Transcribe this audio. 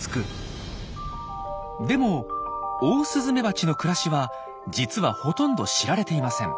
でもオオスズメバチの暮らしは実はほとんど知られていません。